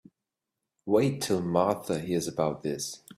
Wait till Martha hears about this.